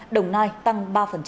đồng nai tăng ba